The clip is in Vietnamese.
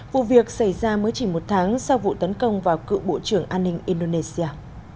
vụ việc xảy ra mới chỉ một tháng sau vụ tấn công vào cựu bộ trưởng an ninh indonesia